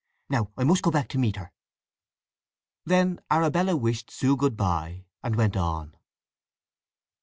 Now I must go back to meet her." Then Arabella wished Sue good bye, and went on.